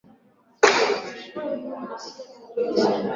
ngoni mwa vyama vya siasa na wananchi